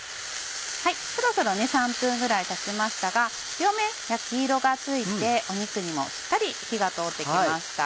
そろそろ３分ぐらいたちましたが両面焼き色がついて肉にもしっかり火が通って来ました。